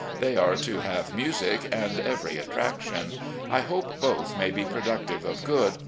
They are to have music and every attraction. I hope both may be productive of good.